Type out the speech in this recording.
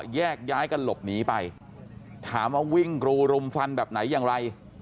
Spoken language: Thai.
แยกย้ายกันหลบหนีไปถามว่าวิ่งกรูรุมฟันแบบไหนอย่างไร